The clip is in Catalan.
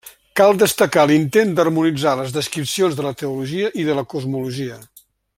Cal destacar l'intent d'harmonitzar les descripcions de la teologia i de la cosmologia.